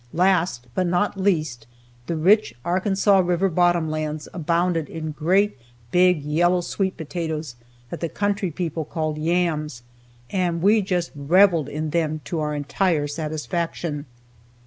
Last, but not least, the rich Arkansas river bottom lands abounded in great big yellow sweet potatoes that the country people called "yams," and we just reveled in them to our entire satisfaction.